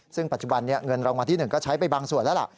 ซึ่งปัจจุบันเงินรางวัลที่๑ก็ใช้ไปบางส่วนแล้วล่ะ